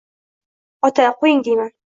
Ota, Qo’ying, deyman.